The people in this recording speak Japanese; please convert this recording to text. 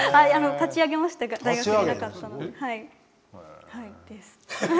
立ち上げました大学になかったので。